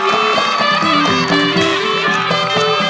โปรดติดตามต่อไป